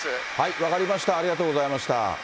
分かりました、ありがとうございました。